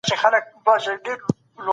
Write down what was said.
ډېري سیمي